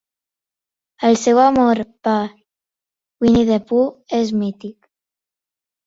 El seu amor per Winnie-the-Pooh és mític.